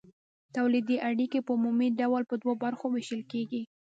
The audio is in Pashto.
تولیدي اړیکې په عمومي ډول په دوو برخو ویشل کیږي.